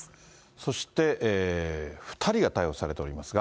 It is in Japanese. そして、２人が逮捕されておりますが。